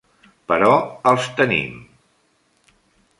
Però els tenim!